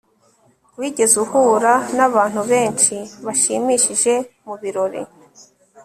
wigeze uhura nabantu benshi bashimishije mubirori